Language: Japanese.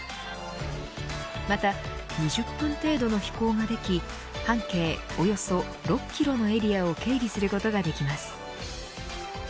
また２０分程度の飛行ができ半径およそ６キロのエリアを警備することができます。